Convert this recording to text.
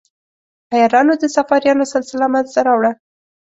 عیارانو د صفاریانو سلسله منځته راوړه.